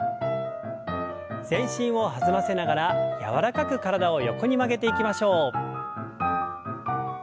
全身を弾ませながら柔らかく体を横に曲げていきましょう。